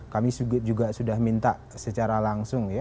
kami juga sudah minta secara langsung ya